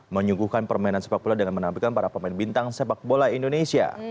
menyuguhkan permainan sepak bola dengan menampilkan para pemain bintang sepak bola indonesia